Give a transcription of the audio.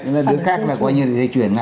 nhưng đứa khác là dây chuyển